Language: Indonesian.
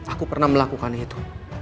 aku pernah melakukan itu